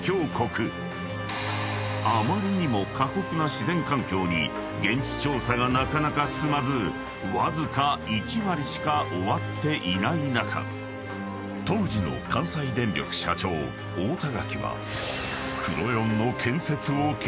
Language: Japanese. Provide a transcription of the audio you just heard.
［あまりにも過酷な自然環境に現地調査がなかなか進まずわずか１割しか終わっていない中当時の関西電力社長太田垣は］